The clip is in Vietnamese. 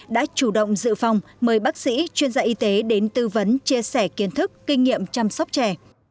đã chủ động dự phòng mời bác sĩ chuyên gia y tế đến tư vấn chia sẻ kiến thức kinh nghiệm chăm sóc trẻ